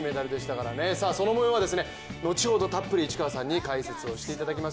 その模様は、後ほどたっぷり市川さんに解説をしていただきます。